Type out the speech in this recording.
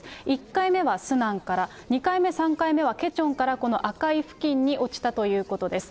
１回目はスナンから、２回目、３回目はケチョンから、この赤い付近に落ちたということです。